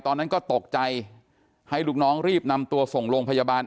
ตอนนั้นก็ตกใจให้ลูกน้องรีบนำตัวส่งโรงพยาบาล